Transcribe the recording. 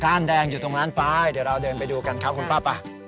ก้านแดงอยู่ตรงร้านฟ้ายเดี๋ยวเราเดินไปดูกันครับคุณป้าป่า